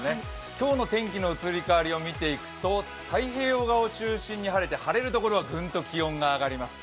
今日の天気の移り変わりを見ていくと太平洋側が晴れて晴れるところはグンと気温が上がります。